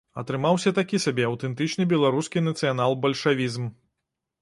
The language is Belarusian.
Атрымаўся такі сабе аўтэнтычны беларускі нацыянал-бальшавізм.